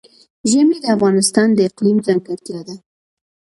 ژمی د افغانستان د اقلیم ځانګړتیا ده.